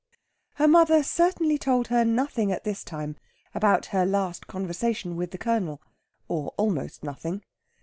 Her mother certainly told her nothing at this time about her last conversation with the Colonel, or almost nothing.